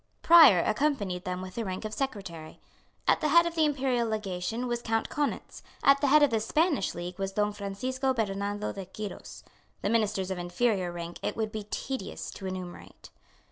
Prior accompanied them with the rank of Secretary. At the head of the Imperial Legation was Count Kaunitz; at the head of the Spanish Legation was Don Francisco Bernardo de Quiros; the ministers of inferior rank it would be tedious to enumerate.